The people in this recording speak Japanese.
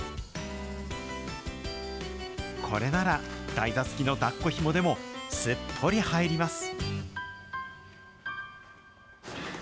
これなら、台座つきのだっこひもでもすっぽり入ります。